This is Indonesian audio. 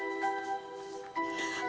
iya kan nek